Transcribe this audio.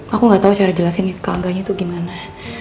aku nggak tahu cara jelasin ke angga itu gimana